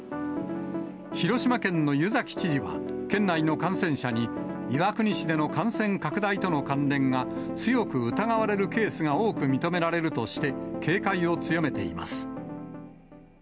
広島県の湯崎知事は、県内の感染者に、岩国市での感染拡大との関連が強く疑われるケースが多く認められるとして警戒を強めています。